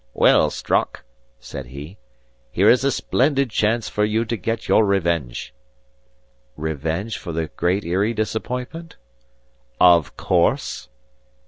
"Well, Strock," said he, "here is a splendid chance for you to get your revenge." "Revenge for the Great Eyrie disappointment?" "Of course."